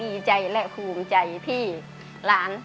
สีหน้าร้องได้หรือว่าร้องผิดครับ